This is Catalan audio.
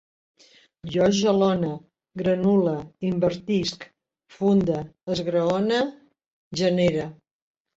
Jo jalone, granule, invertisc, funde, esgraone, genere